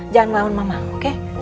jangan melawan mama oke